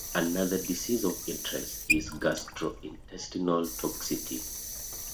Another disease of interest is gastrointestinal toxicity.